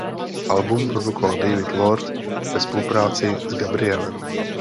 Album produkoval David Lord ve spolupráci s Gabrielem.